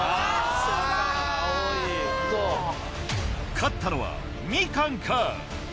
勝ったのはみかんか？